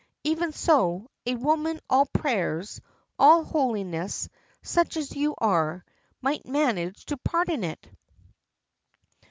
Even so, a woman all prayers, all holiness, such as you are, might manage to pardon it!"